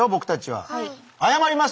はい。